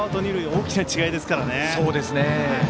大きな違いですからね。